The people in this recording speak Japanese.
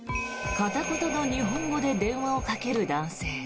片言の日本語で電話をかける男性。